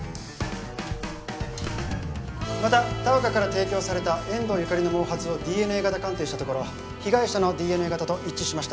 また田岡から提供された遠藤ユカリの毛髪をＤＮＡ型鑑定したところ被害者のＤＮＡ型と一致しました。